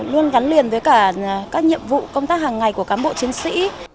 luôn gắn liền với cả các nhiệm vụ công tác hàng ngày của cán bộ chiến sĩ